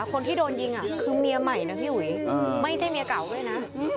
คนที่โดนยิงคือเมียใหม่นะพี่อุ๋ยไม่ใช่เมียเก่าด้วยนะ